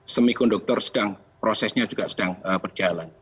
semikonduktor prosesnya juga sedang berjalan